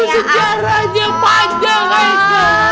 sejarah yang panjang aja